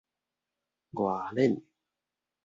外輪